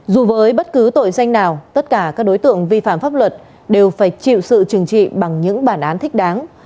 dù với bất cứ tội danh nào tất cả các đối tượng vi phạm pháp luật đều phải chịu sự trừng trị bằng những bản án thích đáng